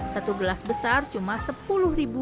satu gelas besar cuma rp sepuluh